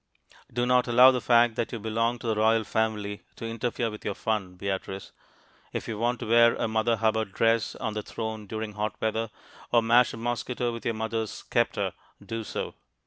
Do not allow the fact that you belong to the royal family to interfere with your fun, Beatrice. If you want to wear a Mother Hubbard dress on the throne during hot weather, or mash a mosquito with your mother's sceptre, do so.